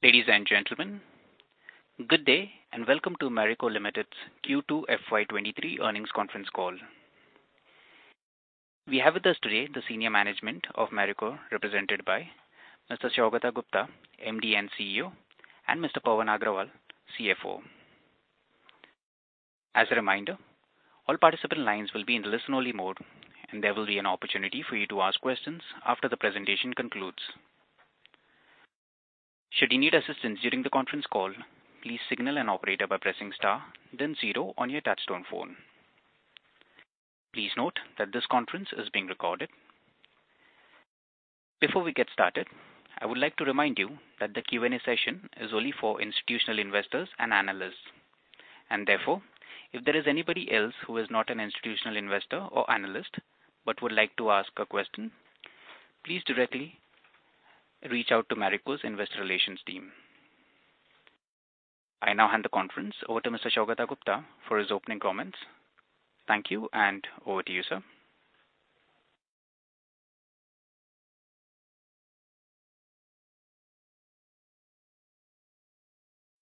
Ladies and gentlemen, good day, and welcome to Marico Limited's Q2 FY 2023 earnings conference call. We have with us today the senior management of Marico, represented by Mr. Saugata Gupta, Managing Director and Chief Executive Officer, and Mr. Pawan Agrawal, Chief Financial Officer. As a reminder, all participant lines will be in listen-only mode, and there will be an opportunity for you to ask questions after the presentation concludes. Should you need assistance during the conference call, please signal an operator by pressing Star-then Zero on your touchtone phone. Please note that this conference is being recorded. Before we get started, I would like to remind you that the Q&A session is only for institutional investors and analysts. Therefore, if there is anybody else who is not an institutional investor or analyst but would like to ask a question, please directly reach out to Marico's investor relations team. I now hand the conference over to Mr. Saugata Gupta for his opening comments. Thank you, and over to you, sir.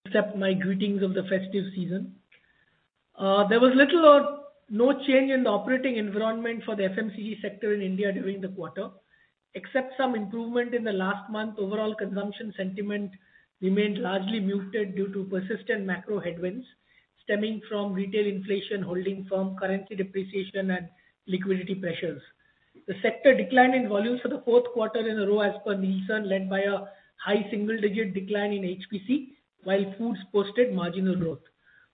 Accept my greetings of the festive season. There was little or no change in the operating environment for the FMCG sector in India during the quarter. Except some improvement in the last month, overall consumption sentiment remained largely muted due to persistent macro headwinds stemming from retail inflation holding firm, currency depreciation and liquidity pressures. The sector declined in volumes for the fourth quarter in a row as per Nielsen, led by a high single-digit decline in HPC, while foods posted marginal growth.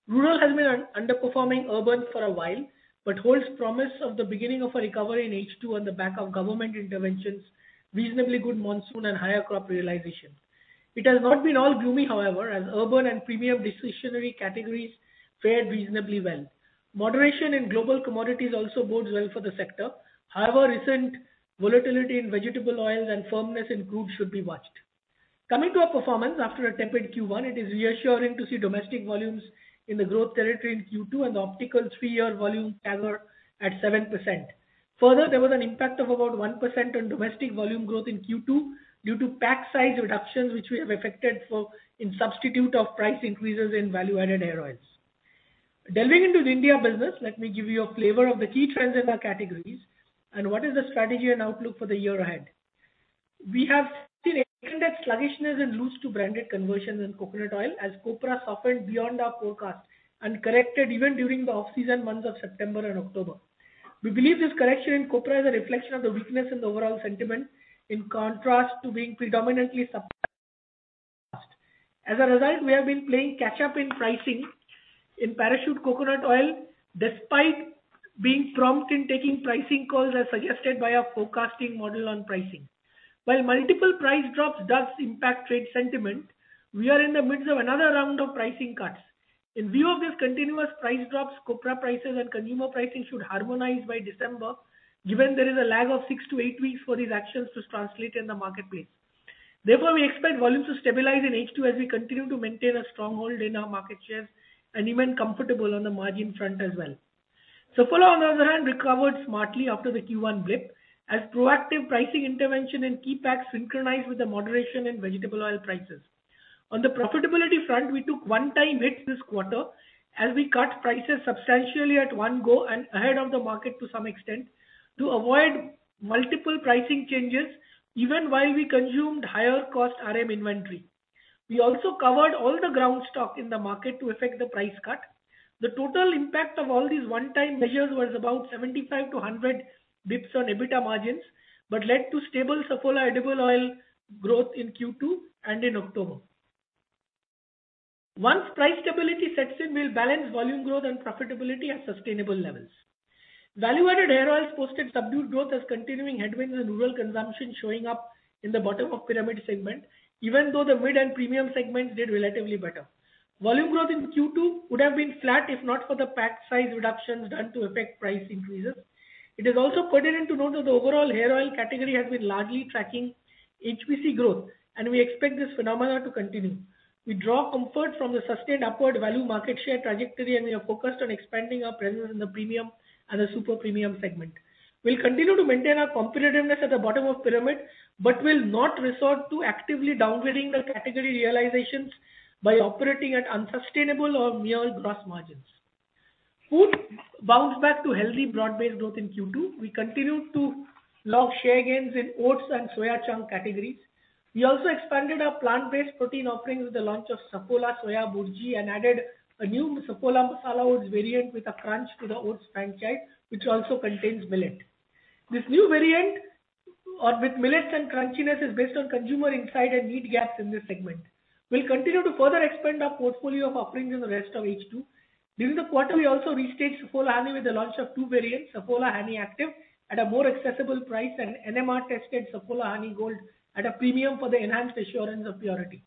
Rural has been underperforming urban for a while, but holds promise of the beginning of a recovery in H2 on the back of government interventions, reasonably good monsoon, and higher crop realization. It has not been all gloomy, however, as urban and premium discretionary categories fared reasonably well. Moderation in global commodities also bodes well for the sector. However, recent volatility in vegetable oils and firmness in crudes should be watched. Coming to our performance, after a tempered Q1, it is reassuring to see domestic volumes in the growth territory in Q2 and the overall three-year volume CAGR at 7%. Further, there was an impact of about 1% on domestic volume growth in Q2 due to pack size reductions, which we have accounted for instead of price increases in value-added hair oils. Delving into the India business, let me give you a flavor of the key trends in our categories and what is the strategy and outlook for the year ahead. We have seen extended sluggishness in loose-to-branded conversions in coconut oil as copra soared beyond our forecast and corrected even during the off-season months of September and October. We believe this correction in copra is a reflection of the weakness in the overall sentiment, in contrast to being predominantly suppressed. As a result, we have been playing catch-up in pricing in Parachute coconut oil, despite being prompt in taking pricing calls as suggested by our forecasting model on pricing. While multiple price drops does impact trade sentiment, we are in the midst of another round of pricing cuts. In view of these continuous price drops, copra prices and consumer pricing should harmonize by December, given there is a lag of six to eight weeks for these actions to translate in the marketplace. Therefore, we expect volumes to stabilize in H2 as we continue to maintain a strong hold in our market shares and even comfortable on the margin front as well. Saffola, on the other hand, recovered smartly after the Q1 blip as proactive pricing intervention in key packs synchronized with the moderation in vegetable oil prices. On the profitability front, we took one-time hits this quarter as we cut prices substantially at one go and ahead of the market to some extent to avoid multiple pricing changes, even while we consumed higher cost RM inventory. We also covered all the ground stock in the market to effect the price cut. The total impact of all these one-time measures was about 75 basis points-100 basis points on EBITDA margins, but led to stable Saffola edible oil growth in Q2 and in October. Once price stability sets in, we'll balance volume growth and profitability at sustainable levels. Value-added hair oils posted subdued growth as continuing headwinds in rural consumption showing up in the bottom of pyramid segment, even though the mid and premium segments did relatively better. Volume growth in Q2 would have been flat if not for the pack size reductions done to effect price increases. It is also pertinent to note that the overall hair oil category has been largely tracking HPC growth, and we expect this phenomenon to continue. We draw comfort from the sustained upward value market share trajectory, and we are focused on expanding our presence in the premium and the super premium segment. We'll continue to maintain our competitiveness at the bottom of pyramid, but will not resort to actively downgrading the category realizations by operating at unsustainable or meager gross margins. Food bounced back to healthy broad-based growth in Q2. We continued to log share gains in oats and soya chunk categories. We also expanded our plant-based protein offerings with the launch of Saffola Soya Bhurji and added a new Saffola Masala Oats variant with a crunch to the oats franchise, which also contains millet. This new variant, with millet and crunchiness is based on consumer insight and need gaps in this segment. We'll continue to further expand our portfolio of offerings in the rest of H2. During the quarter, we also restaged Saffola Honey with the launch of two variants, Saffola Honey Active at a more accessible price and NMR-tested Saffola Honey Gold at a premium for the enhanced assurance of purity.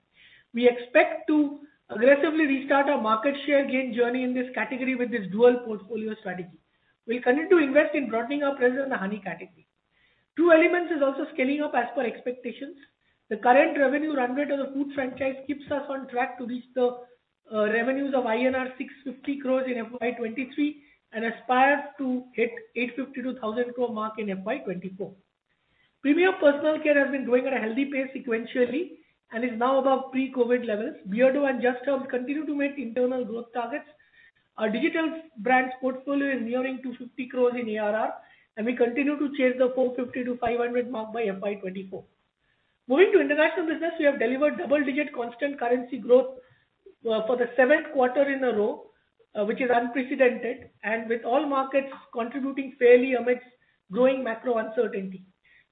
We expect to aggressively restart our market share gain journey in this category with this dual portfolio strategy. We'll continue to invest in broadening our presence in the honey category. True Elements is also scaling up as per expectations. The current revenue run rate of the food franchise keeps us on track to reach the revenues of INR 650 crores in FY 2023 and aspires to hit 850-1,000 crore mark in FY 2024. Premium personal care has been growing at a healthy pace sequentially and is now above pre-COVID levels. Beardo and Just Herbs continue to meet internal growth targets. Our digital brands portfolio is nearing 250 crores in ARR, and we continue to chase the 450-500 mark by FY 2024. Moving to international business, we have delivered double-digit constant currency growth for the seventh quarter in a row, which is unprecedented, and with all markets contributing fairly amidst growing macro uncertainty.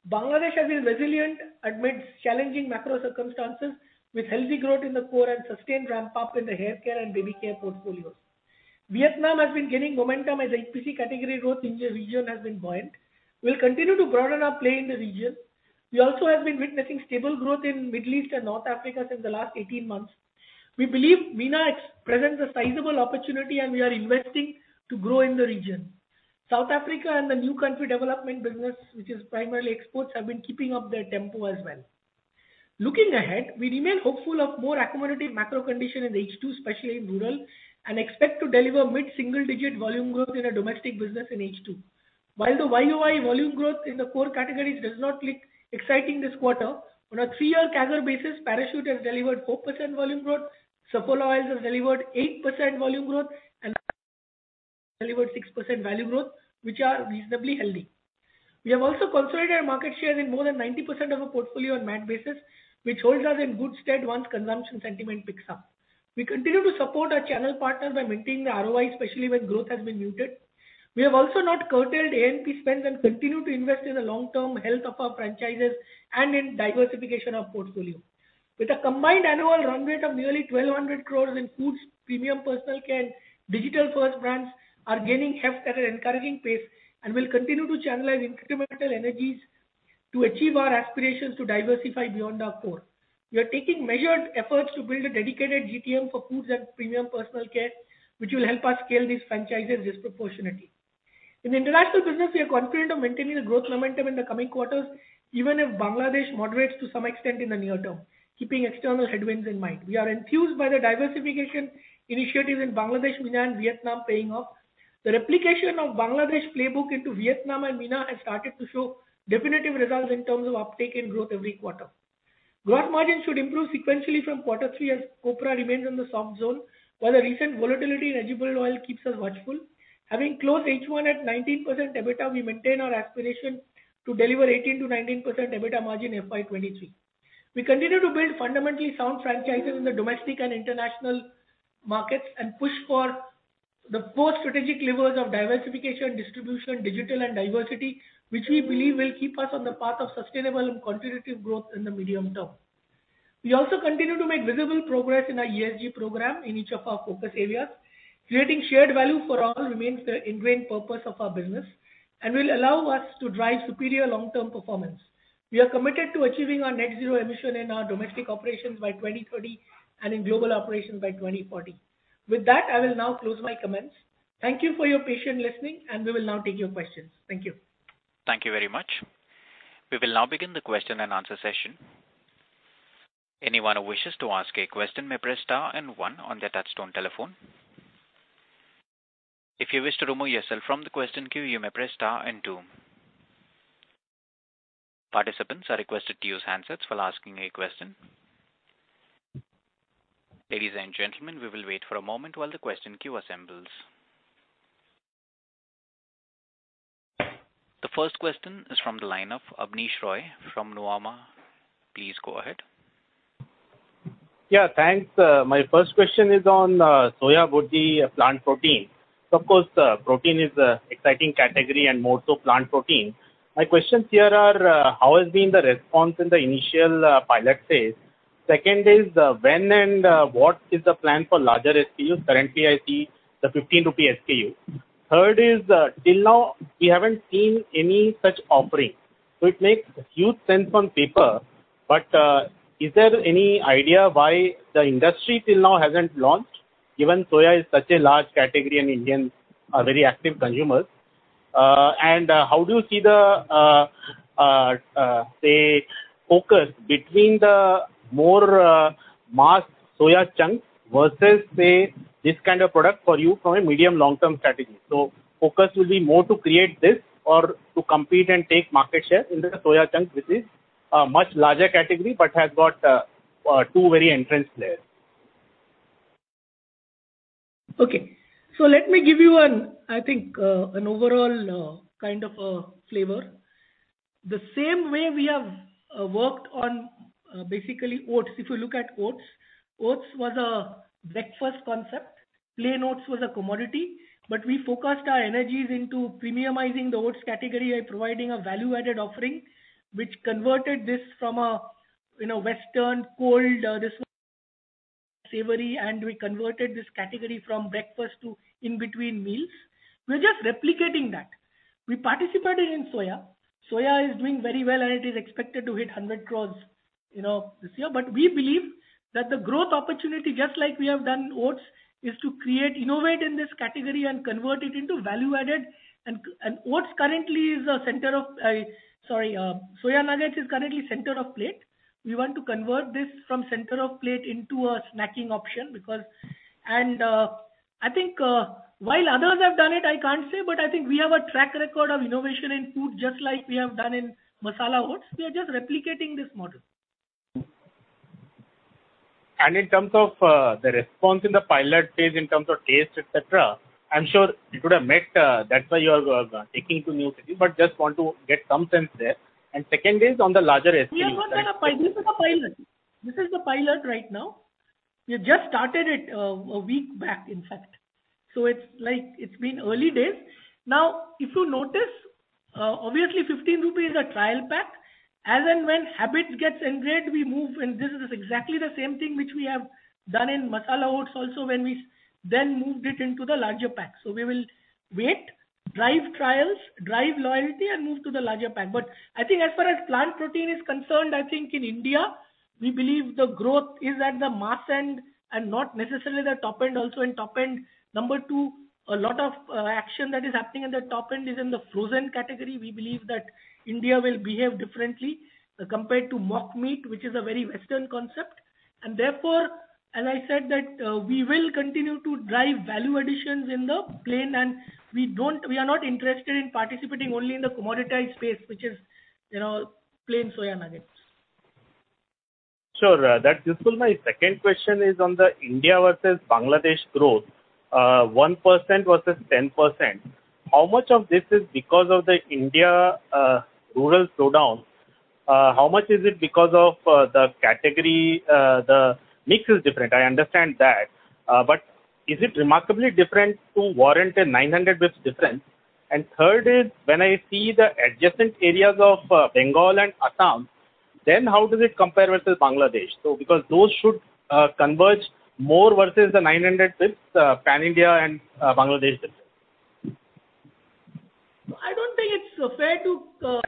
Bangladesh has been resilient amidst challenging macro circumstances, with healthy growth in the core and sustained ramp-up in the haircare and baby care portfolios. Vietnam has been gaining momentum as HPC category growth in the region has been buoyant. We'll continue to broaden our play in the region. We also have been witnessing stable growth in Middle East and North Africa since the last 18 months. We believe MENA presents a sizable opportunity, and we are investing to grow in the region. South Africa and the new country development business, which is primarily exports, have been keeping up their tempo as well. Looking ahead, we remain hopeful of more accommodative macro condition in H2, especially in rural, and expect to deliver mid-single-digit volume growth in our domestic business in H2. While the year-over-year volume growth in the core categories does not look exciting this quarter. On a three-year CAGR basis, Parachute has delivered 4% volume growth, Saffola Oils has delivered 8% volume growth, and delivered 6% value growth, which are reasonably healthy. We have also consolidated our market shares in more than 90% of our portfolio on MAT basis, which holds us in good stead once consumption sentiment picks up. We continue to support our channel partners by maintaining the ROI, especially when growth has been muted. We have also not curtailed A&P spends and continue to invest in the long-term health of our franchises and in diversification of portfolio. With a combined annual run rate of nearly 1,200 crores in foods, premium personal care, digital-first brands are gaining heft at an encouraging pace and will continue to channelize incremental energies to achieve our aspirations to diversify beyond our core. We are taking measured efforts to build a dedicated GTM for foods and premium personal care, which will help us scale these franchises disproportionately. In the international business, we are confident of maintaining the growth momentum in the coming quarters, even if Bangladesh moderates to some extent in the near term, keeping external headwinds in mind. We are enthused by the diversification initiative in Bangladesh, MENA, and Vietnam paying off. The replication of Bangladesh playbook into Vietnam and MENA has started to show definitive results in terms of uptake and growth every quarter. Gross margins should improve sequentially from quarter three, as copra remains in the soft zone, while the recent volatility in edible oil keeps us watchful. Having closed H1 at 19% EBITDA, we maintain our aspiration to deliver 18%-19% EBITDA margin in FY 2023. We continue to build fundamentally sound franchises in the domestic and international markets and push for the four strategic levers of diversification, distribution, digital, and diversity, which we believe will keep us on the path of sustainable and contributor growth in the medium term. We also continue to make visible progress in our ESG program in each of our focus areas. Creating shared value for all remains the ingrained purpose of our business and will allow us to drive superior long-term performance. We are committed to achieving our net zero emission in our domestic operations by 2030 and in global operations by 2040. With that, I will now close my comments. Thank you for your patient listening, and we will now take your questions. Thank you. Thank you very much. We will now begin the question-and-answer session. Anyone who wishes to ask a question may press star and one on their touchtone telephone. If you wish to remove yourself from the question queue, you may press star and two. Participants are requested to use handsets while asking a question. Ladies and gentlemen, we will wait for a moment while the question queue assembles. The first question is from the line of Abneesh Roy from Nuvama. Please go ahead. Yeah, thanks. My first question is on Saffola Soya Bhurji, plant protein. Of course, protein is an exciting category and more so plant protein. My questions here are, how has been the response in the initial pilot phase? Second is, when and what is the plan for larger SKUs? Currently, I see the 15 rupee SKU. Third is, till now, we haven't seen any such offering, so it makes huge sense on paper, but is there any idea why the industry till now hasn't launched, given soya is such a large category and Indians are very active consumers? How do you see the focus between the more mass soya chunk versus this kind of product for you from a medium long-term strategy? Focus will be more to create this or to compete and take market share in the soya chunk, which is a much larger category, but has got two very entrenched players. Okay. Let me give you an, I think, an overall, kind of a flavor. The same way we have worked on basically oats. If you look at oats was a breakfast concept. Plain oats was a commodity. But we focused our energies into premiumizing the oats category and providing a value-added offering, which converted this from a, you know, Western cold, this savory, and we converted this category from breakfast to in-between meals. We're just replicating that. We participated in soya. Soya is doing very well, and it is expected to hit 100 crore, you know, this year. But we believe that the growth opportunity, just like we have done in oats, is to create, innovate in this category and convert it into value added. And oats currently is a center of. Saffola Soya Bhurji is currently center of plate. We want to convert this from center of plate into a snacking option because I think while others have done it, I can't say, but I think we have a track record of innovation in food, just like we have done in Saffola Masala Oats. We are just replicating this model. In terms of the response in the pilot phase in terms of taste, et cetera, I'm sure it would have met, that's why you are taking to new city, but just want to get some sense there. Second is on the larger SP side- This is a pilot right now. We have just started it, a week back, in fact. It's like, it's been early days. Now, if you notice, obviously 15 rupees trial pack, as and when habit gets ingrained, we move, and this is exactly the same thing which we have done in Masala Oats also when we then moved it into the larger pack. We will wait, drive trials, drive loyalty, and move to the larger pack. I think as far as plant protein is concerned, I think in India, we believe the growth is at the mass end and not necessarily the top end. Also in top end, number two, a lot of action that is happening in the top end is in the frozen category. We believe that India will behave differently compared to mock meat, which is a very Western concept. Therefore, as I said that, we will continue to drive value additions in the plain, and we are not interested in participating only in the commoditized space, which is, you know, plain soya nuggets. Sure. That's useful. My second question is on the India versus Bangladesh growth. 1% versus 10%. How much of this is because of the India rural slowdown? How much is it because of the category mix? I understand that. But is it remarkably different to warrant a 900 basis points difference? Third is, when I see the adjacent areas of Bengal and Assam, then how does it compare versus Bangladesh? Because those should converge more versus the 900 basis points pan-India and Bangladesh business. I don't think it's fair to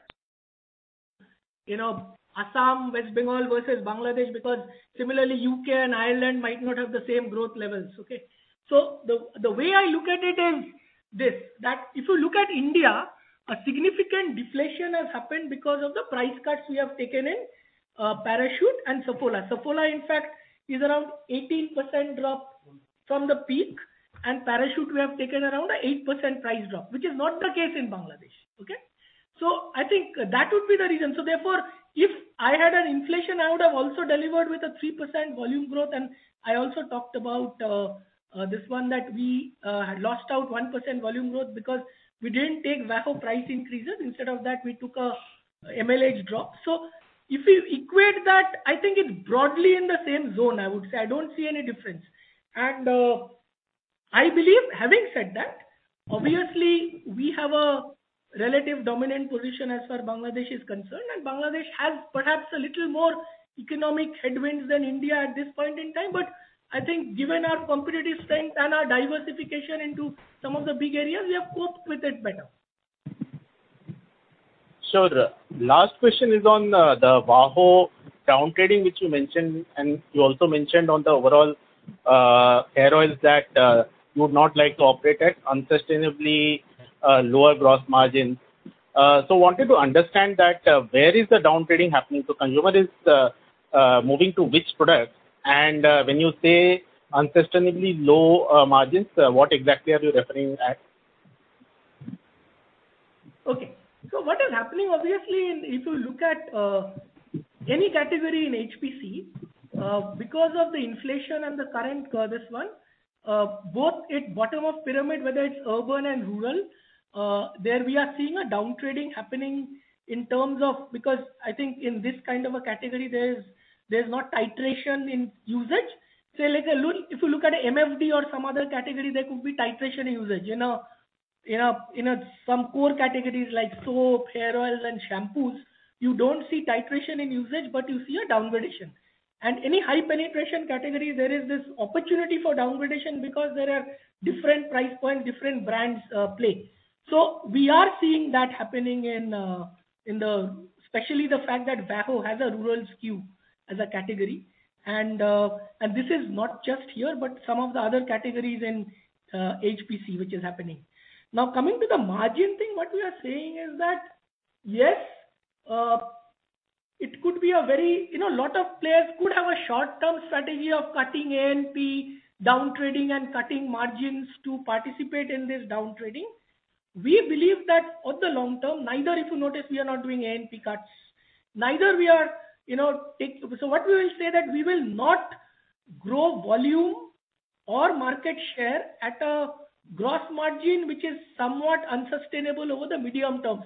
Assam, West Bengal versus Bangladesh, because similarly, U.K. and Ireland might not have the same growth levels. Okay. The way I look at it is this, that if you look at India, a significant deflation has happened because of the price cuts we have taken in Parachute and Saffola. Saffola, in fact, is around 18% drop from the peak, and Parachute we have taken around an 8% price drop, which is not the case in Bangladesh. Okay. I think that would be the reason. Therefore, if I had an inflation, I would have also delivered with a 3% volume growth. I also talked about this one that we had lost out 1% volume growth because we didn't take VAHO price increases. Instead of that, we took a mild drop. If you equate that, I think it's broadly in the same zone, I would say. I don't see any difference. I believe, having said that, obviously we have a relatively dominant position as far as Bangladesh is concerned, and Bangladesh has perhaps a little more economic headwinds than India at this point in time. I think given our competitive strength and our diversification into some of the big areas, we have coped with it better. Sure. Last question is on the VAHO downtrading, which you mentioned, and you also mentioned on the overall hair oils that you would not like to operate at unsustainably lower gross margins. Wanted to understand that, where is the downtrading happening? Consumer is moving to which product? When you say unsustainably low margins, what exactly are you referring at? Okay. What is happening, obviously, if you look at any category in HPC, because of the inflation and the current this one, both at bottom of pyramid, whether it's urban and rural, there we are seeing a downtrading happening in terms of. Because I think in this kind of a category, there is not titration in usage. If you look at a F&B or some other category, there could be titration usage. You know, in some core categories like soap, hair oils, and shampoos, you don't see titration in usage, but you see a downtrading. Any high penetration category, there is this opportunity for downtrading because there are different price points, different brands play. We are seeing that happening in the. Especially the fact that VAHO has a rural skew as a category. This is not just here, but some of the other categories in HPC, which is happening. Now, coming to the margin thing, what we are saying is that, yes, it could be a very. You know, lot of players could have a short-term strategy of cutting A&P, downtrading, and cutting margins to participate in this downtrading. We believe that on the long term, neither if you notice, we are not doing A&P cuts, neither we are, you know. What we will say that we will not grow volume or market share at a gross margin which is somewhat unsustainable over the medium term.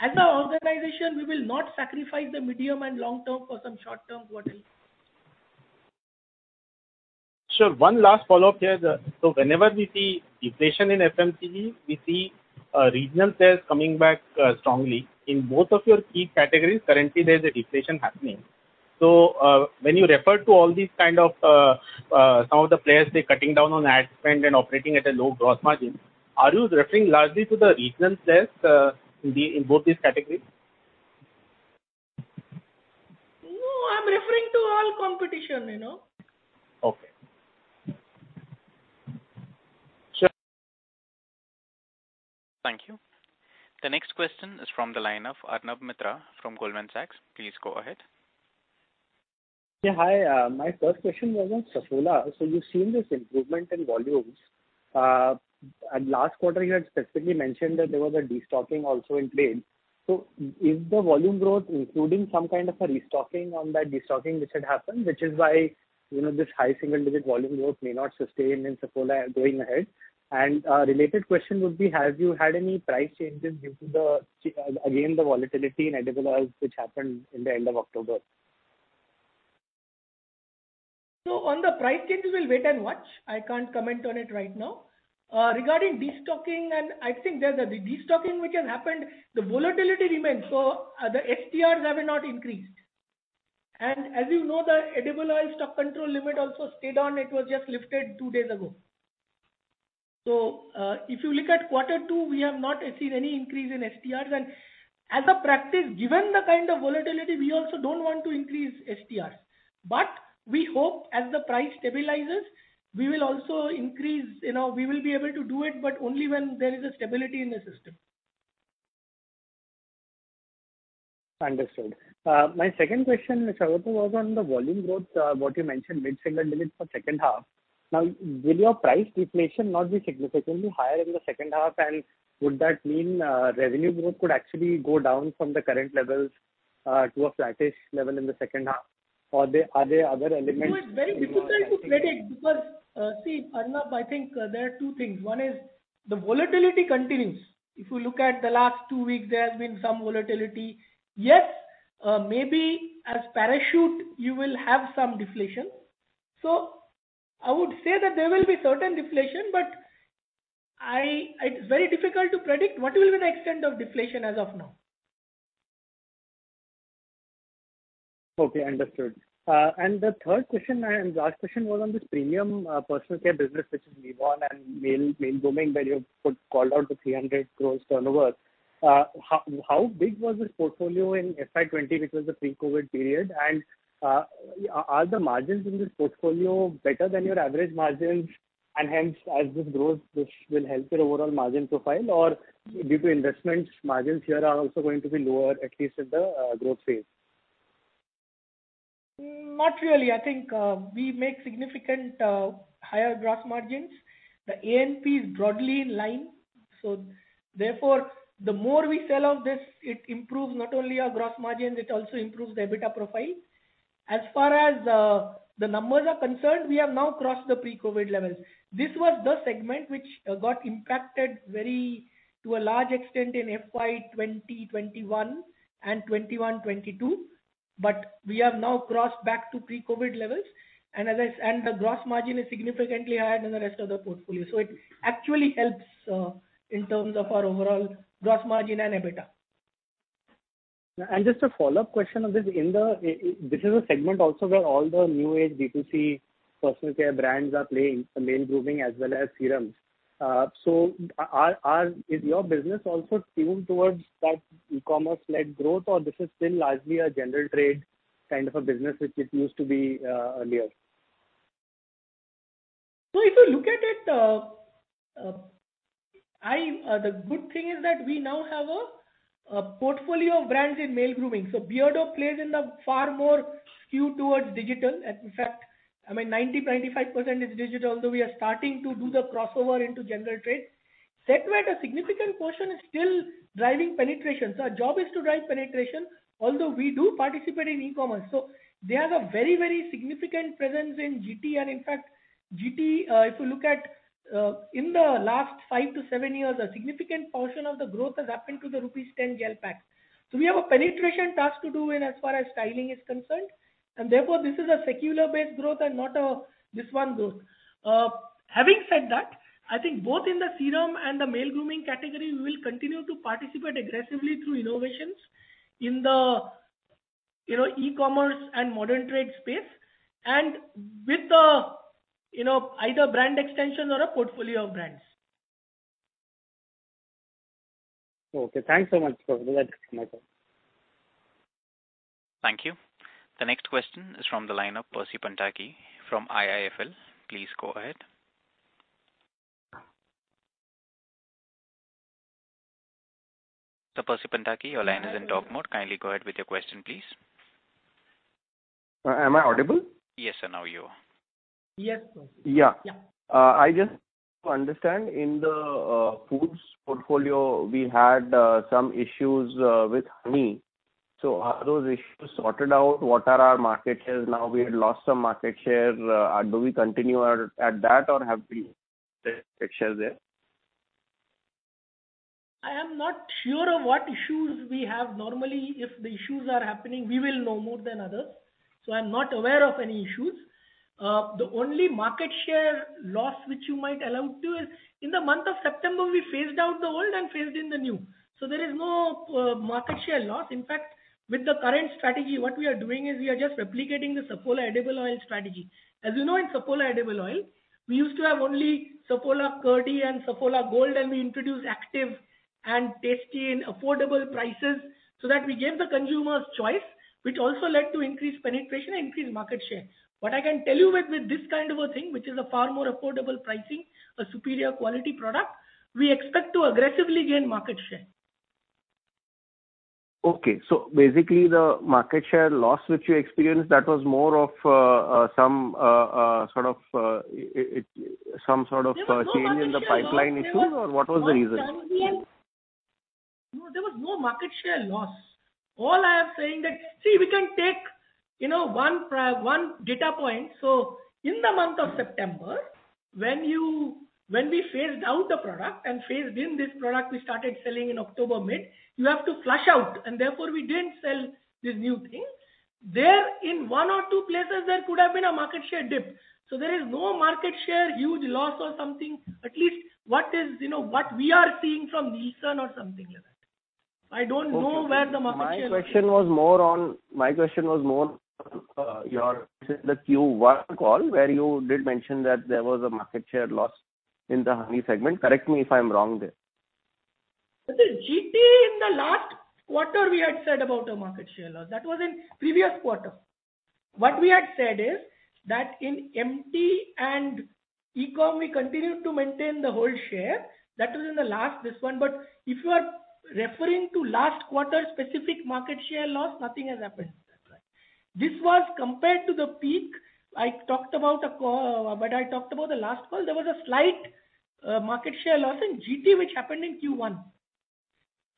As a organization, we will not sacrifice the medium and long term for some short-term quarterly. Sure. One last follow-up here. Whenever we see deflation in FMCG, we see regional players coming back strongly. In both of your key categories, currently there's a deflation happening. When you refer to all these kind of some of the players, they're cutting down on ad spend and operating at a low gross margin, are you referring largely to the regional players in both these categories? No, I'm referring to all competition, you know. Okay. Thank you. The next question is from the line of Arnab Mitra from Goldman Sachs. Please go ahead. Yeah, hi. My first question was on Saffola. You've seen this improvement in volumes. At last quarter, you had specifically mentioned that there was a destocking also in play. Is the volume growth including some kind of a restocking on that destocking which had happened, which is why, you know, this high single-digit volume growth may not sustain in Saffola going ahead? A related question would be, have you had any price changes due to the, again, the volatility in edible oils which happened in the end of October? On the price changes, we'll wait and watch. I can't comment on it right now. Regarding destocking and I think there's a destocking which has happened, the volatility remains. The STRs have not increased. As you know, the edible oil stock control limit also stayed on. It was just lifted two days ago. If you look at quarter two, we have not seen any increase in STRs. As a practice, given the kind of volatility, we also don't want to increase STRs. We hope as the price stabilizes, we will also increase, you know, we will be able to do it, but only when there is a stability in the system. Understood. My second question, Saugata, was on the volume growth, what you mentioned mid-single digits for second half. Now, will your price deflation not be significantly higher in the second half? Would that mean revenue growth could actually go down from the current levels to a flattish level in the second half? Are there other elements? You know, it's very difficult to predict because, see, Arnab, I think there are two things. One is the volatility continues. If you look at the last two weeks, there has been some volatility. Yes, maybe as Parachute, you will have some deflation. So I would say that there will be certain deflation, but. It's very difficult to predict what will be the extent of deflation as of now. Okay, understood. The third question and last question was on this premium personal care business, which is Livon and male grooming, where you called out the 300 crore turnover. How big was this portfolio in FY 2020, which was the pre-COVID period? Are the margins in this portfolio better than your average margins and hence as this grows, this will help your overall margin profile? Or due to investments, margins here are also going to be lower, at least in the growth phase? Not really. I think we make significant higher gross margins. The A&P is broadly in line, therefore, the more we sell of this, it improves not only our gross margins, it also improves the EBITDA profile. As far as the numbers are concerned, we have now crossed the pre-COVID levels. This was the segment which got impacted very, to a large extent in FY 2021 and 2022, but we have now crossed back to pre-COVID levels. The gross margin is significantly higher than the rest of the portfolio. It actually helps in terms of our overall gross margin and EBITDA. Just a follow-up question on this. This is a segment also where all the new age B2C personal care brands are playing, the male grooming as well as serums. Is your business also tuned towards that e-commerce-led growth, or this is still largely a general trade kind of a business which it used to be, earlier? If you look at it, the good thing is that we now have a portfolio of brands in male grooming. Beardo plays in the far more skewed towards digital. In fact, I mean 95% is digital, although we are starting to do the crossover into general trade. Set Wet, the significant portion is still driving penetration, so our job is to drive penetration, although we do participate in e-commerce. They have a very, very significant presence in GT. In fact, GT, if you look at in the last five to seven years, a significant portion of the growth has happened to the rupees 10 gel pack. We have a penetration task to do in as far as styling is concerned, and therefore this is a secular-based growth and not a one-off growth. Having said that, I think both in the serum and the male grooming category, we will continue to participate aggressively through innovations in the, you know, e-commerce and modern trade space and with the, you know, either brand extension or a portfolio of brands. Okay, thanks so much for that, Saugata. Thank you. The next question is from the line of Percy Panthaki from IIFL. Please go ahead. Percy Panthaki, your line is in talk mode. Kindly go ahead with your question, please. Am I audible? Yes, sir. Now you are. Yes, Percy. Yeah. Yeah. I just want to understand in the foods portfolio, we had some issues with honey. Are those issues sorted out? What are our market shares now? We had lost some market share. Do we continue at that, or have we share there? I am not sure of what issues we have. Normally, if the issues are happening, we will know more than others, so I'm not aware of any issues. The only market share loss which you might allude to is in the month of September, we phased out the old and phased in the new, so there is no market share loss. In fact, with the current strategy, what we are doing is we are just replicating the Saffola edible oil strategy. As you know, in Saffola edible oil, we used to have only Saffola Total and Saffola Gold, and we introduced Active and Tasty in affordable prices so that we gave the consumers choice, which also led to increased penetration and increased market share. What I can tell you with this kind of a thing, which is a far more affordable pricing, a superior quality product, we expect to aggressively gain market share. Basically, the market share loss which you experienced, that was more of some sort of change in the pipeline issues, or what was the reason? No, there was no market share loss. All I am saying that, see, we can take, you know, one data point. In the month of September, when we phased out the product and phased in this product we started selling in October mid, you have to flush out, and therefore we didn't sell this new thing. There in one or two places there could have been a market share dip. There is no market share huge loss or something, at least what is, you know, what we are seeing from Nielsen or something like that. I don't know where the market share loss. Okay. My question was more on this is the Q1 call, where you did mention that there was a market share loss in the honey segment. Correct me if I'm wrong there. The GT in the last quarter we had said about a market share loss. That was in previous quarter. What we had said is, that in MT and e-com we continued to maintain the whole share. That was in the last, this one. If you are referring to last quarter specific market share loss, nothing has happened. That's right. This was compared to the peak I talked about. When I talked about the last call, there was a slight market share loss in GT, which happened in Q1.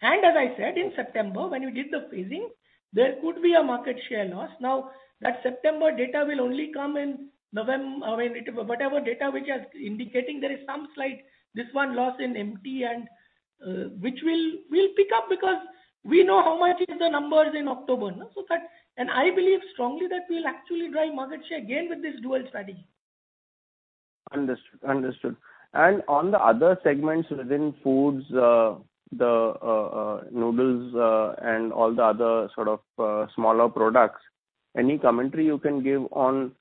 As I said, in September, when we did the phasing, there could be a market share loss. Now, that September data will only come in November or whenever it, whatever data which is indicating there is some slight this one loss in empties and which we'll pick up because we know what the numbers are in October. I believe strongly that we'll actually drive market share again with this dual strategy. Understood. On the other segments within foods, the noodles, and all the other sort of smaller products, any commentary you can give on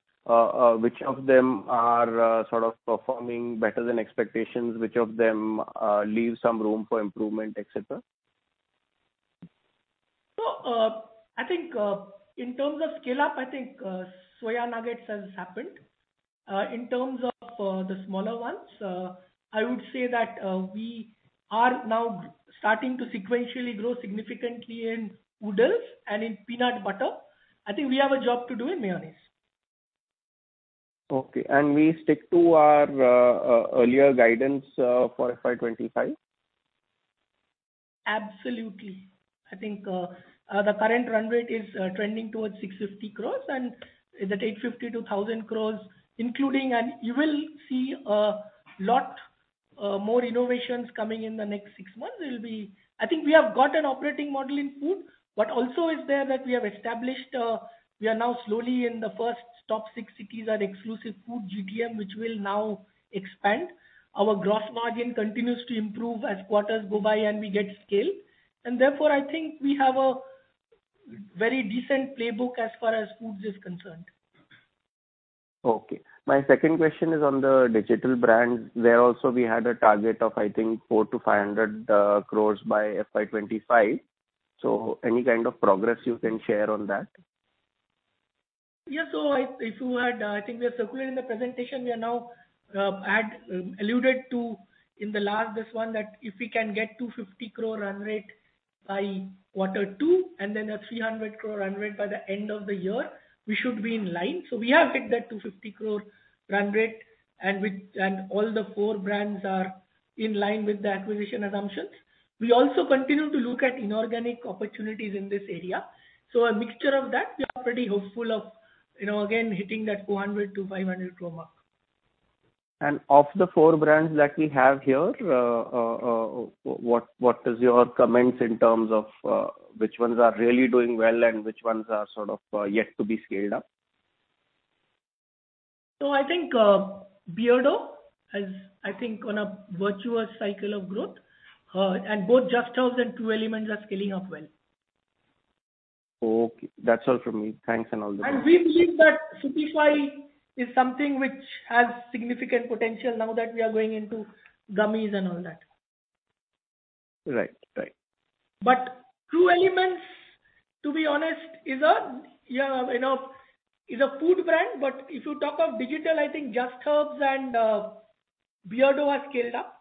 which of them are sort of performing better than expectations, which of them leave some room for improvement, et cetera? I think in terms of scale-up, I think soya nuggets has happened. In terms of the smaller ones, I would say that we are now starting to sequentially grow significantly in Oodles and in peanut butter. I think we have a job to do in mayonnaise. Okay. We stick to our earlier guidance for FY 2025? Absolutely. I think the current run rate is trending towards 650 crore and is at 850-1,000 crore, including, and you will see a lot more innovations coming in the next six months. I think we have got an operating model in food, but also is there that we have established, we are now slowly in the first top 6 cities at exclusive food GTM, which we'll now expand. Our gross margin continues to improve as quarters go by and we get scale. Therefore, I think we have a very decent playbook as far as foods is concerned. Okay. My second question is on the digital brands. There also we had a target of, I think, 400-500 crore by FY 2025. Any kind of progress you can share on that? Yeah. If you had, I think we have circulated in the presentation, we are now alluded to in the last this one, that if we can get 250 crore run rate by quarter two and then a 300 crore run rate by the end of the year, we should be in line. We have hit that 250 crore run rate and all the four brands are in line with the acquisition assumptions. We also continue to look at inorganic opportunities in this area. A mixture of that, we are pretty hopeful of, you know, again, hitting that 400-500 crore mark. Of the four brands that we have here, what is your comments in terms of which ones are really doing well and which ones are sort of yet to be scaled up? I think Beardo is, I think, on a virtuous cycle of growth. Both Just Herbs and True Elements are scaling up well. Okay. That's all from me. Thanks and all the best. We believe that Plix is something which has significant potential now that we are going into gummies and all that. Right. Right. True Elements, to be honest, is, you know, a food brand. If you talk of digital, I think Just Herbs and Beardo have scaled up.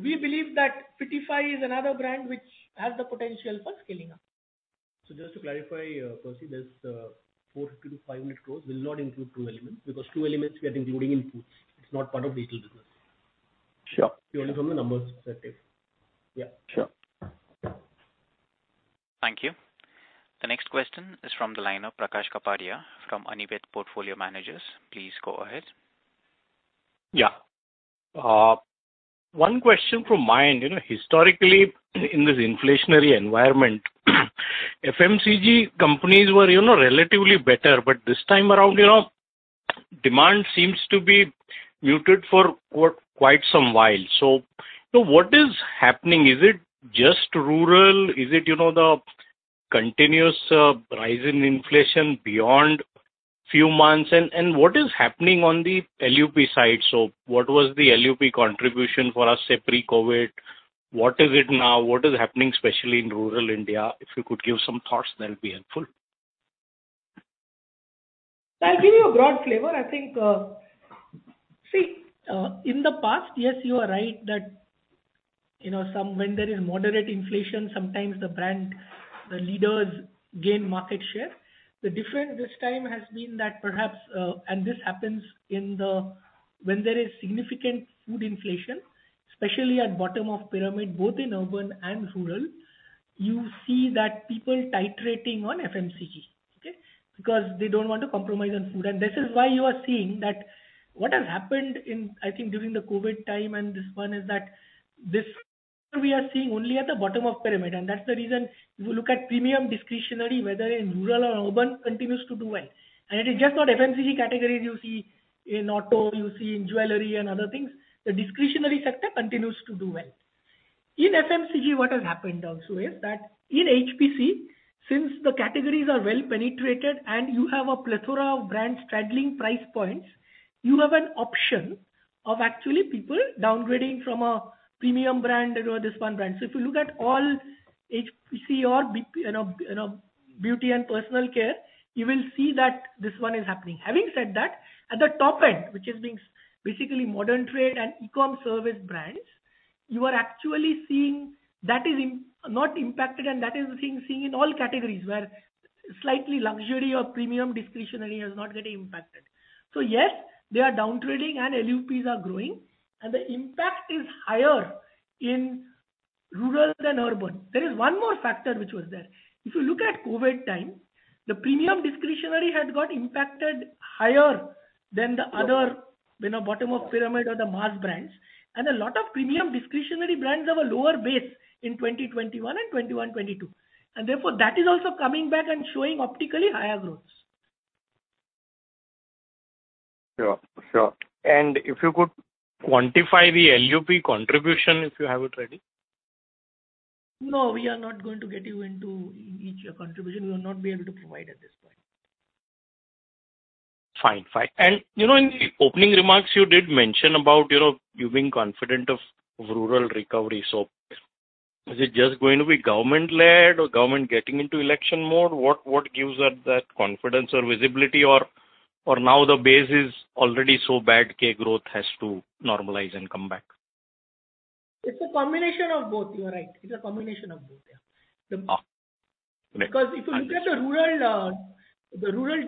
We believe that Plix is another brand which has the potential for scaling up. Just to clarify, Percy, this 400-500 crore will not include True Elements, because True Elements we are including in foods. It's not part of digital business. Sure. Only from the numbers perspective. Yeah. Sure. Thank you. The next question is from the line of Prakash Kapadia from Anived Portfolio Managers. Please go ahead. Yeah. One question from my end, you know, historically in this inflationary environment, FMCG companies were, you know, relatively better. This time around, you know, demand seems to be muted for quite some while. What is happening? Is it just rural? Is it, you know, the continuous rise in inflation beyond few months? What is happening on the LUP side? What was the LUP contribution for us say pre-COVID? What is it now? What is happening especially in rural India? If you could give some thoughts, that would be helpful. I'll give you a broad flavor. I think, see, in the past, yes, you are right that, you know, sometimes when there is moderate inflation, sometimes the brand leaders gain market share. The difference this time has been that perhaps, and this happens when there is significant food inflation, especially at bottom of pyramid, both in urban and rural, you see that people titrating on FMCG, okay? Because they don't want to compromise on food. This is why you are seeing that what has happened, I think during the COVID time, and this time is that we are seeing only at the bottom of pyramid. That's the reason if you look at premium discretionary, whether in rural or urban, continues to do well. It is just not FMCG categories you see in auto, you see in jewelry and other things. The discretionary sector continues to do well. In FMCG, what has happened also is that in HPC, since the categories are well penetrated and you have a plethora of brands straddling price points, you have an option of actually people downgrading from a premium brand or this one brand. So if you look at all HPC or BPC, you know, beauty and personal care, you will see that this one is happening. Having said that, at the top end, which is being basically modern trade and e-com service brands, you are actually seeing that is not impacted and that is being seen in all categories where slightly luxury or premium discretionary is not getting impacted. Yes, they are down-trading and LUPs are growing and the impact is higher in rural than urban. There is one more factor which was there. If you look at COVID time, the premium discretionary had got impacted higher than the other, you know, bottom of pyramid or the mass brands. A lot of premium discretionary brands have a lower base in 2021 and 2022, and therefore that is also coming back and showing optically higher growth. Sure, sure. If you could quantify the LUP contribution, if you have it ready. No, we are not going to get you into each contribution. We will not be able to provide at this point. Fine. You know, in the opening remarks you did mention about, you know, you being confident of rural recovery. Is it just going to be government-led or government getting into election mode? What gives that confidence or visibility or now the base is already so bad, so growth has to normalize and come back? It's a combination of both. You are right. It's a combination of both. Yeah. Okay. Because if you look at the rural,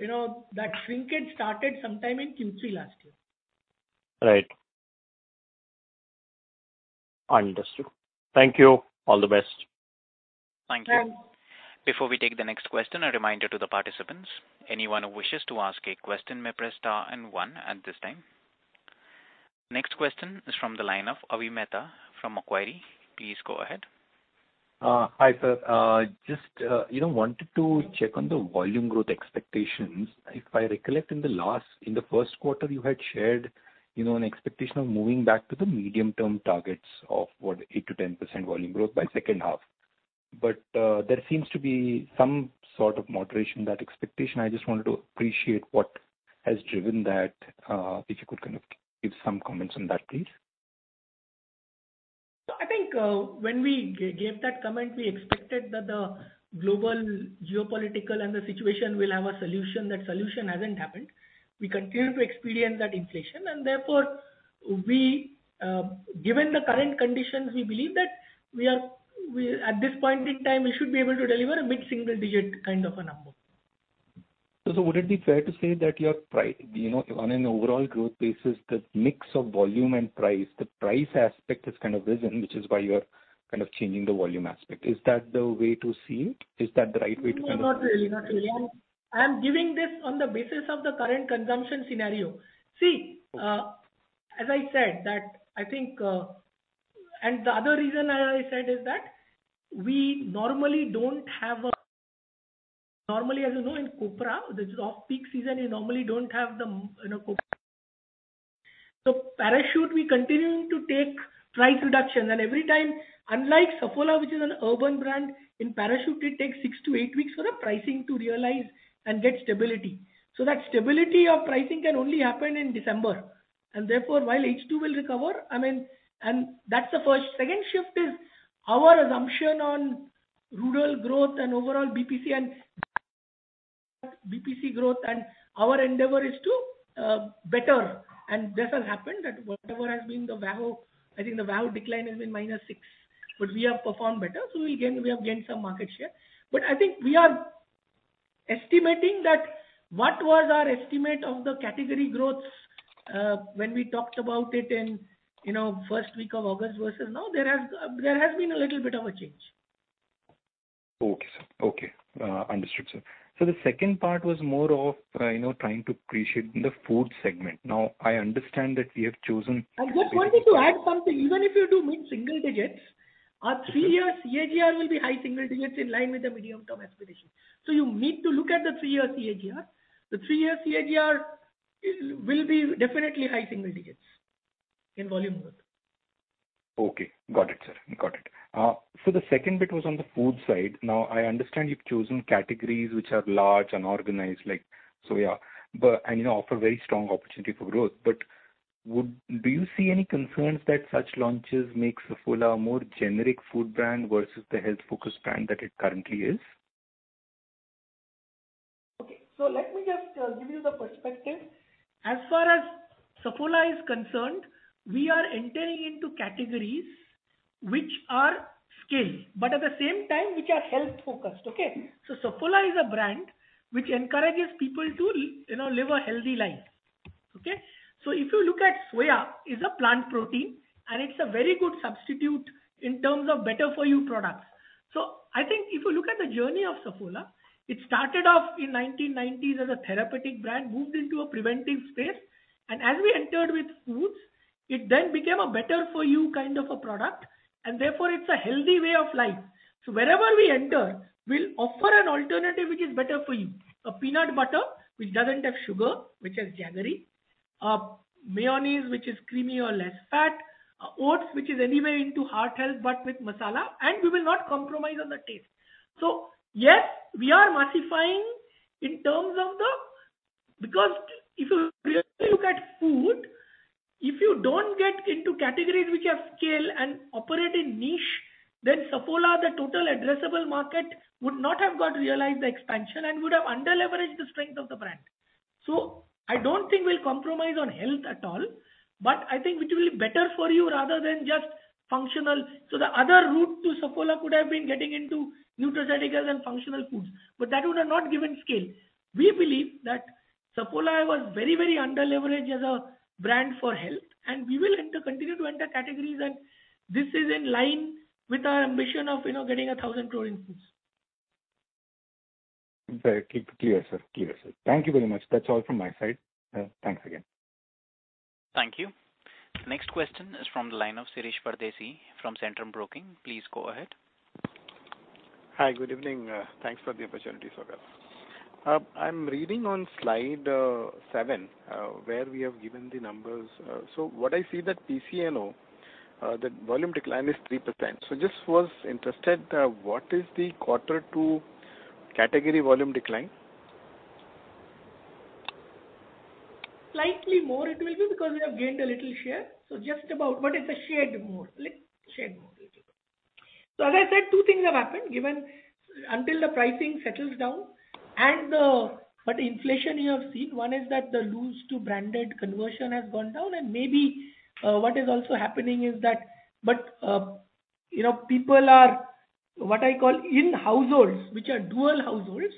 you know, that shrinkage started sometime in Q3 last year. Right. Understood. Thank you. All the best. Thank you. Before we take the next question, a reminder to the participants. Anyone who wishes to ask a question may press star and one at this time. Next question is from the line of Avi Mehta from Macquarie. Please go ahead. Hi, sir. Just, you know, wanted to check on the volume growth expectations. If I recollect, in the first quarter, you had shared, you know, an expectation of moving back to the medium-term targets of what, 8%-10% volume growth by second half. There seems to be some sort of moderation, that expectation. I just wanted to appreciate what has driven that. If you could kind of give some comments on that, please. I think, when we gave that comment, we expected that the global geopolitical and economic situation will have a solution. That solution hasn't happened. We continue to experience that inflation and therefore, given the current conditions, we believe that at this point in time, we should be able to deliver a mid-single digit kind of a number. Would it be fair to say that you know, on an overall growth basis, the mix of volume and price, the price aspect is kind of risen, which is why you are kind of changing the volume aspect. Is that the way to see it? Is that the right way to see it? No, not really. Not really. I'm giving this on the basis of the current consumption scenario. See, as I said that I think, and the other reason I said is that we normally don't have. Normally, as you know, in copra, this is off-peak season, you normally don't have the copra. So Parachute, we continue to take price reductions and every time, unlike Saffola, which is an urban brand, in Parachute it takes six to eight weeks for the pricing to realize and get stability. So that stability of pricing can only happen in December. Therefore while H2 will recover, I mean, and that's the first. Second shift is our assumption on rural growth and overall BPC and BPC growth and our endeavor is to better. That has happened, that whatever has been the value, I think the value decline has been -6%, but we have performed better. We have gained some market share. I think we are estimating that what was our estimate of the category growth, when we talked about it in, you know, first week of August versus now, there has been a little bit of a change. Okay, sir. Understood, sir. The second part was more of, you know, trying to appreciate the food segment. Now, I understand that we have chosen- I just wanted to add something. Even if you do mid-single digits, our three-year CAGR will be high single digits in line with the medium-term aspiration. You need to look at the three-year CAGR. The three-year CAGR will be definitely high single digits in volume growth. Okay. Got it, sir. The second bit was on the food side. Now, I understand you've chosen categories which are large, unorganized, like, so, yeah, but and, you know, offer very strong opportunity for growth. Do you see any concerns that such launches makes Saffola a more generic food brand versus the health-focused brand that it currently is? Okay. Let me just give you the perspective. As far as Saffola is concerned, we are entering into categories which are scale, but at the same time which are health-focused. Saffola is a brand which encourages people to live, you know, a healthy life. If you look at soya is a plant protein, and it's a very good substitute in terms of better-for-you products. I think if you look at the journey of Saffola, it started off in 1990s as a therapeutic brand, moved into a preventive space. As we entered with foods, it then became a better-for-you kind of a product, and therefore it's a healthy way of life. Wherever we enter, we'll offer an alternative which is better for you. A peanut butter which doesn't have sugar, which has jaggery. Mayonnaise which is creamy or less fat. Oats which is anyway into heart health, but with masala, and we will not compromise on the taste. Yes, we are massifying in terms of the categories. Because if you really look at food, if you don't get into categories which have scale and operate in niche, then Saffola, the total addressable market, would not have got realized the expansion and would have under-leveraged the strength of the brand. I don't think we'll compromise on health at all, but I think which will be better for you rather than just functional. The other route to Saffola could have been getting into nutraceuticals and functional foods, but that would have not given scale. We believe that Saffola was very, very under-leveraged as a brand for health, and we will enter, continue to enter categories, and this is in line with our ambition of, you know, getting 1,000 crore in foods. Very clear, sir. Clear, sir. Thank you very much. That's all from my side. Thanks again. Thank you. Next question is from the line of Shirish Pardeshi from Centrum Broking. Please go ahead. Hi, good evening. Thanks for the opportunity, Saugata Gupta. I'm reading on slide seven, where we have given the numbers. What I see that PCNO, the volume decline is 3%. Just was interested, what is the quarter two category volume decline? Slightly more it will be because we have gained a little share. Just about, but it's a share more it will be. As I said, two things have happened, even until the pricing settles down and inflation you have seen. One is that the loose to branded conversion has gone down and maybe what is also happening is that you know people are what I call in households which are dual households.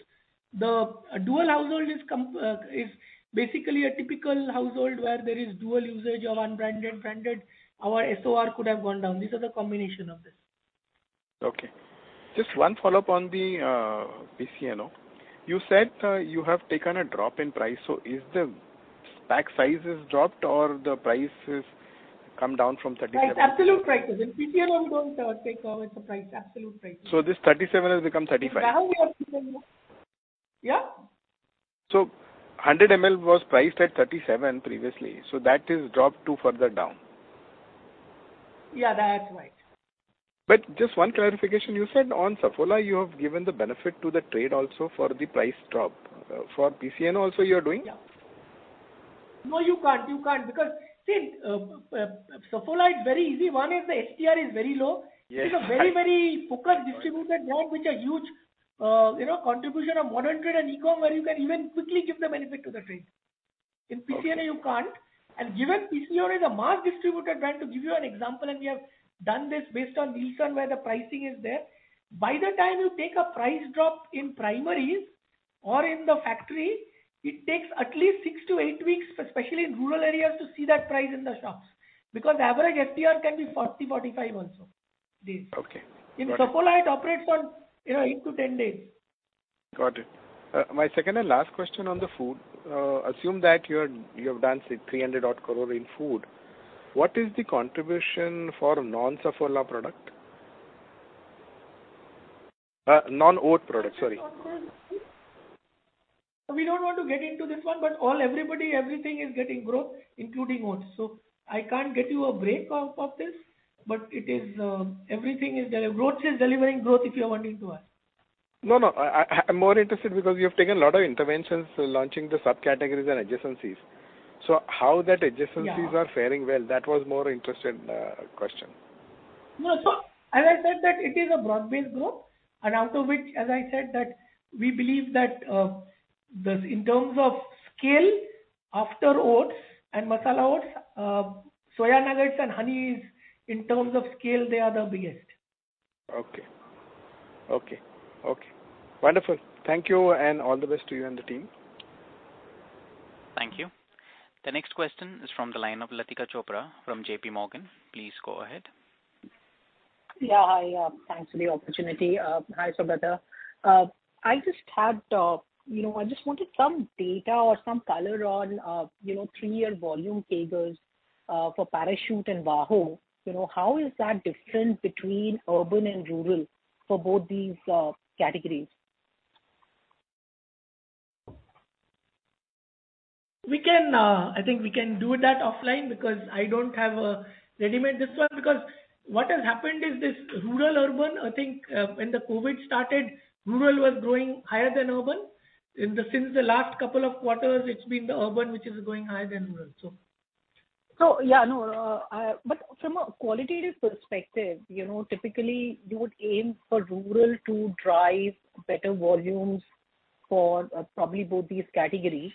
The dual household is basically a typical household where there is dual usage of unbranded, branded. Our SOW could have gone down. These are the combination of this. Okay. Just one follow-up on the PCNO. You said you have taken a drop in price. Is the pack sizes dropped or the price is come down from 37- Right. Absolute prices. In PCNO, don't take all with the price, absolute price. This 37 has become 35. In value. Yeah. 100 ml was priced at 37 previously. That is dropped to further down. Yeah, that's right. Just one clarification. You said on Saffola you have given the benefit to the trade also for the price drop. For PCNO also you are doing? Yeah. No, you can't because, see, Saffola is very easy. One is the HDR is very low. Yes. It's a very, very focused distributed brand which are huge, you know, contribution of modern trade and e-com where you can even quickly give the benefit to the trade. Okay. In PCNO you can't. Given PCNO is a mass distributed brand, to give you an example, and we have done this based on Nielsen where the pricing is there. By the time you take a price drop in primaries or in the factory, it takes at least six to eight weeks, especially in rural areas, to see that price in the shops. Because the average DSR can be 40 days-45 days also. Okay. Got it. In Saffola, it operates on, you know, eight days to 10 days. Got it. My second and last question on the food. Assume that you've done 300-odd crore in food. What is the contribution for non-Saffola product? Non-oat product, sorry. Non-oat product. We don't want to get into this one, but all, everybody, everything is getting growth, including oats. I can't get you a break-up of this, but it is, growth is delivering growth if you are wanting to ask. No, no. I'm more interested because you have taken a lot of interventions launching the subcategories and adjacencies. How that adjacencies- Yeah. are faring well, that was more interesting question. No. As I said that it is a broad-based growth and out of which, as I said, that we believe that the in terms of scale after oats and Masala Oats, soya nuggets and honeys, in terms of scale, they are the biggest. Okay. Wonderful. Thank you, and all the best to you and the team. Thank you. The next question is from the line of Latika Chopra from JPMorgan. Please go ahead. Yeah. Hi. Thanks for the opportunity. Hi, Saugata. You know, I just wanted some data or some color on, you know, three-year volume CAGRs for Parachute and VAHO. You know, how is that different between urban and rural for both these categories? We can, I think we can do that offline because I don't have a ready-made this one, because what has happened is this rural, urban, I think, when the COVID started, rural was growing higher than urban. Since the last couple of quarters, it's been the urban which is going higher than rural, so. Yeah, no, but from a qualitative perspective, you know, typically you would aim for rural to drive better volumes for, probably both these categories,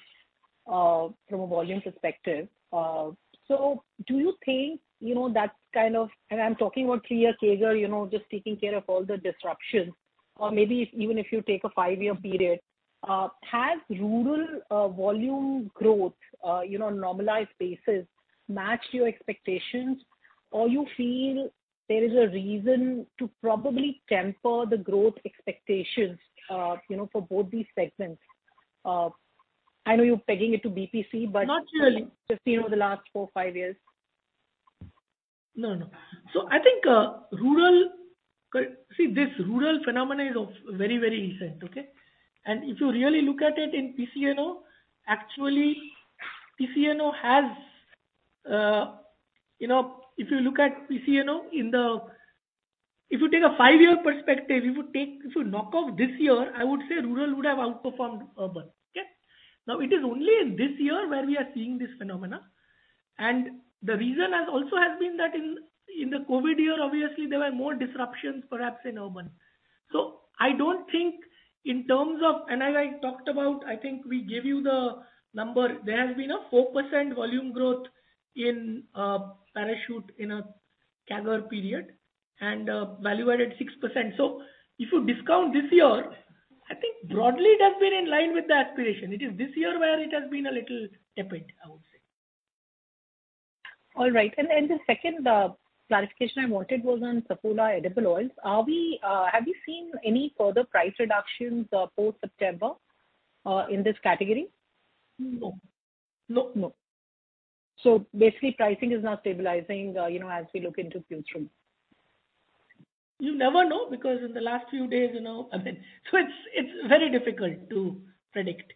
from a volume perspective. Do you think, you know, that's kind of. I'm talking about three-year CAGR, you know, just taking care of all the disruptions, or maybe even if you take a five-year period. Has rural volume growth, you know, normalized basis matched your expectations? Or you feel there is a reason to probably temper the growth expectations, you know, for both these segments? I know you're pegging it to BPC, but- Not really. Just, you know, the last four to five years. No, no. I think. See, this rural phenomenon is of very, very recent, okay? If you really look at it in PCNO, actually PCNO has, you know, if you look at PCNO in the. If you take a five-year perspective, if you knock off this year, I would say rural would have outperformed urban. Okay? Now it is only in this year where we are seeing this phenomenon. The reason has also been that in the COVID year, obviously, there were more disruptions perhaps in urban. I don't think in terms of. As I talked about, I think we gave you the number. There has been a 4% volume growth in Parachute in a CAGR period, and value added 6%. If you discount this year, I think broadly it has been in line with the aspiration. It is this year where it has been a little tepid, I would say. All right. The second clarification I wanted was on Saffola edible oils. Have you seen any further price reductions post September in this category? No. Basically pricing is now stabilizing, you know, as we look into future. You never know, because in the last few days, you know, I mean, it's very difficult to predict.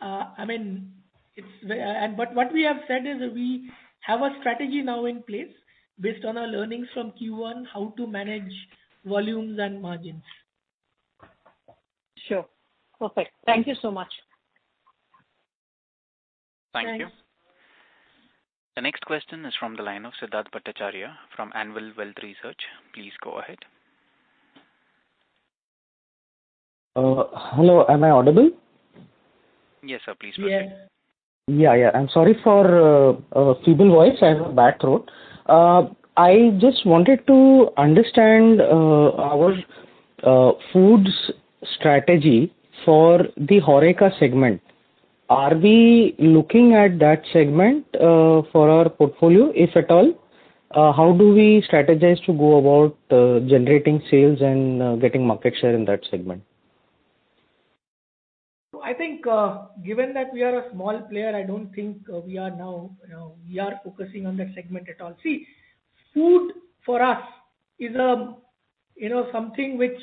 I mean, what we have said is that we have a strategy now in place based on our learnings from Q1, how to manage volumes and margins. Sure. Perfect. Thank you so much. Thank you. Thank you. The next question is from the line of Siddharth Bhattacharya from Anvil Wealth Research. Please go ahead. Hello, am I audible? Yes, sir. Please proceed. Yes. Yeah. I'm sorry for feeble voice. I have a bad throat. I just wanted to understand our foods strategy for the HORECA segment. Are we looking at that segment for our portfolio, if at all? How do we strategize to go about generating sales and getting market share in that segment? I think, given that we are a small player, I don't think we are now, you know, we are focusing on that segment at all. See, food for us is, you know, something which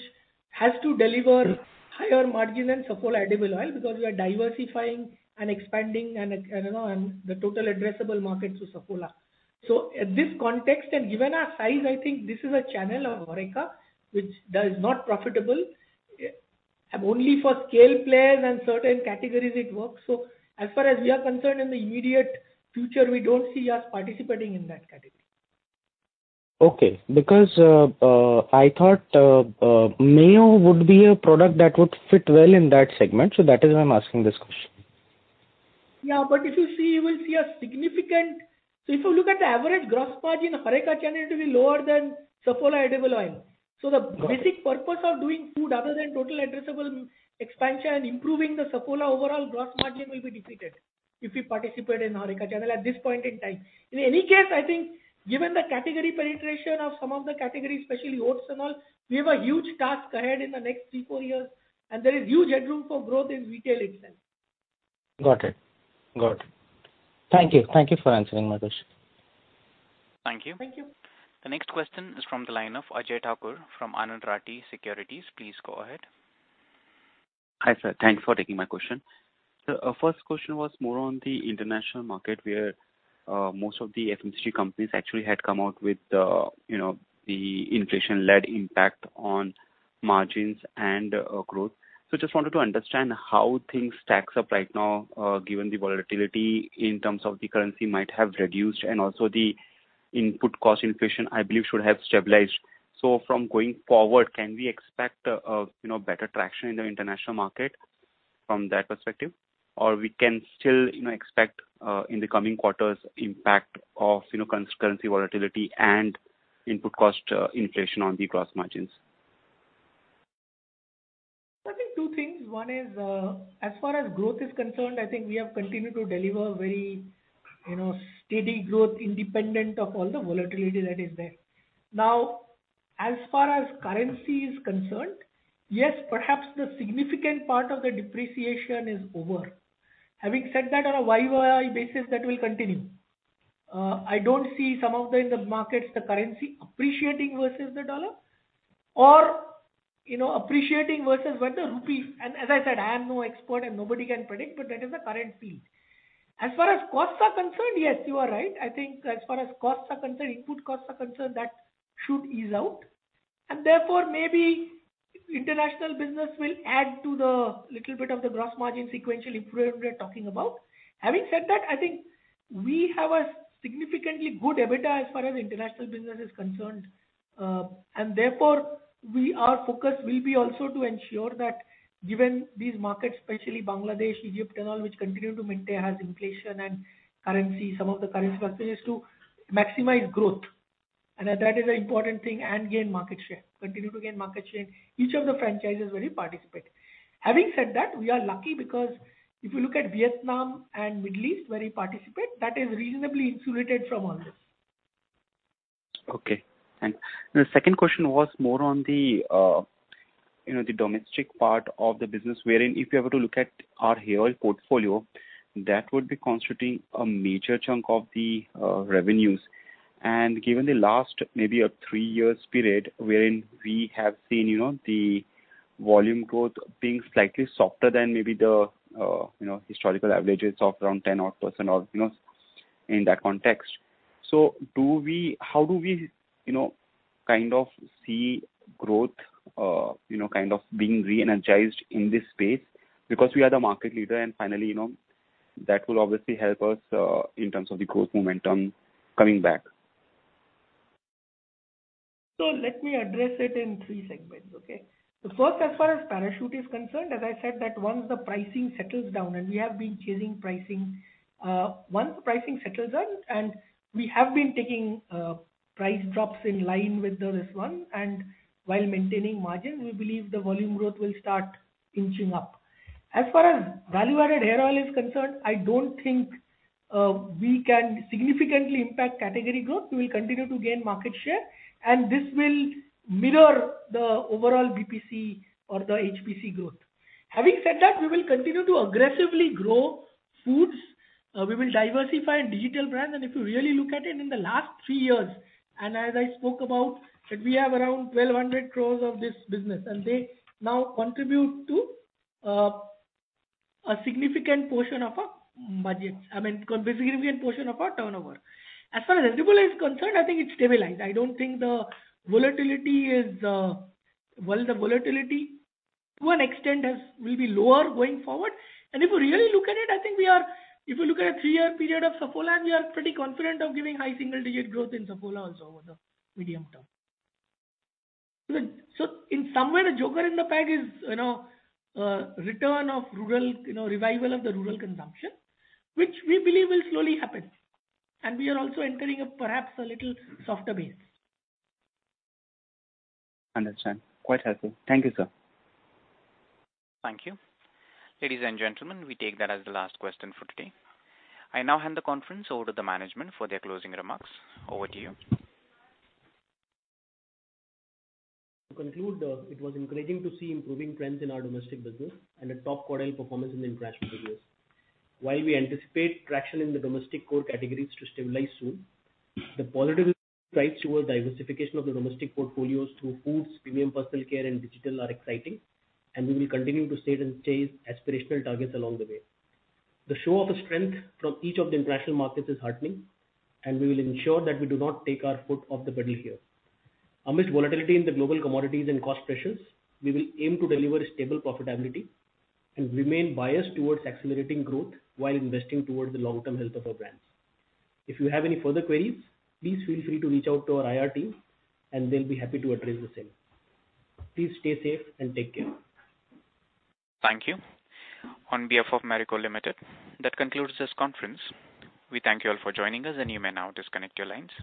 has to deliver higher margin than Saffola edible oil because we are diversifying and expanding and you know, and the total addressable market to Saffola. At this context and given our size, I think this is a channel of HORECA which does not profitable. Only for scale players and certain categories it works. As far as we are concerned, in the immediate future, we don't see us participating in that category. Okay. Because I thought mayo would be a product that would fit well in that segment. That is why I'm asking this question. If you look at the average gross margin HORECA channel, it will be lower than Saffola edible oil. Got it. The basic purpose of doing food other than total addressable expansion and improving the Saffola overall gross margin will be defeated if we participate in HORECA channel at this point in time. In any case, I think given the category penetration of some of the categories, especially oats and all, we have a huge task ahead in the next three to four years, and there is huge headroom for growth in retail itself. Got it. Thank you for answering my question. Thank you. Thank you. The next question is from the line of Ajay Thakur from Anand Rathi Securities. Please go ahead. Hi, sir. Thanks for taking my question. First question was more on the international market where most of the FMCG companies actually had come out with, you know, the inflation-led impact on margins and growth. Just wanted to understand how things stacks up right now, given the volatility in terms of the currency might have reduced and also the input cost inflation, I believe should have stabilized. From going forward, can we expect, you know, better traction in the international market from that perspective? Or we can still, you know, expect, in the coming quarters impact of, you know, currency volatility and input cost inflation on the gross margins? I think two things. One is, as far as growth is concerned, I think we have continued to deliver very, you know, steady growth independent of all the volatility that is there. Now, as far as currency is concerned, yes, perhaps the significant part of the depreciation is over. Having said that, on a YOY basis, that will continue. I don't see some of the, in the markets, the currency appreciating versus the US dollar or, you know, appreciating versus what the rupee. As I said, I am no expert and nobody can predict, but that is the current theme. As far as costs are concerned, yes, you are right. I think as far as costs are concerned, input costs are concerned, that should ease out. Therefore, maybe international business will add to the little bit of the gross margin sequential improvement we are talking about. Having said that, I think we have a significantly good EBITDA as far as international business is concerned. Therefore, our focus will be also to ensure that given these markets, especially Bangladesh, Egypt and all which continue to maintain high inflation and currency, some of the currency continues to maximize growth. That is an important thing, and gain market share. Continue to gain market share in each of the franchises where we participate. Having said that, we are lucky because if you look at Vietnam and Middle East where we participate, that is reasonably insulated from all this. Okay, thanks. The second question was more on the, you know, the domestic part of the business, wherein if you have to look at our hair oil portfolio, that would be constituting a major chunk of the revenues. Given the last maybe three-year period wherein we have seen, you know, the volume growth being slightly softer than maybe the, you know, historical averages of around 10% or, you know, in that context. How do we, you know, kind of see growth, you know, kind of being re-energized in this space? Because we are the market leader and finally, you know, that will obviously help us in terms of the growth momentum coming back. Let me address it in three segments, okay? The first, as far as Parachute is concerned, as I said that once the pricing settles down, and we have been taking price drops in line with the copra, and while maintaining margin, we believe the volume growth will start inching up. As far as value-added hair oil is concerned, I don't think we can significantly impact category growth. We will continue to gain market share, and this will mirror the overall BPC or the HPC growth. Having said that, we will continue to aggressively grow foods. We will diversify in digital brand, and if you really look at it, in the last three years, and as I spoke about that we have around 1,200 crore of this business, and they now contribute to a significant portion of our budget. I mean, significant portion of our turnover. As far as edible is concerned, I think it's stabilized. I don't think the volatility is. Well, the volatility to an extent is will be lower going forward. If you really look at it, I think If you look at a three-year period of Saffola, we are pretty confident of giving high single-digit growth in Saffola also over the medium term. In some way, the joker in the pack is, you know, return of rural, you know, revival of the rural consumption, which we believe will slowly happen. We are also entering perhaps a little softer base. Understand. Quite helpful. Thank you, sir. Thank you. Ladies and gentlemen, we take that as the last question for today. I now hand the conference over to the management for their closing remarks. Over to you. To conclude, it was encouraging to see improving trends in our domestic business and a top quartile performance in the international business. While we anticipate traction in the domestic core categories to stabilize soon, the positive strides towards diversification of the domestic portfolios through foods, premium personal care, and digital are exciting, and we will continue to state and chase aspirational targets along the way. The show of strength from each of the international markets is heartening, and we will ensure that we do not take our foot off the pedal here. Amidst volatility in the global commodities and cost pressures, we will aim to deliver stable profitability and remain biased towards accelerating growth while investing towards the long-term health of our brands. If you have any further queries, please feel free to reach out to our IR team and they'll be happy to address the same. Please stay safe and take care. Thank you. On behalf of Marico Limited, that concludes this conference. We thank you all for joining us, and you may now disconnect your lines.